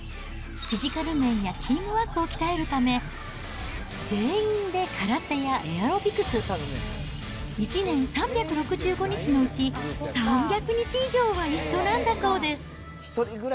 フィジカル面やチームワークを鍛えるため、全員で空手やエアロビクス、１年３６５日のうち、３００日以上は一緒なんだそうです。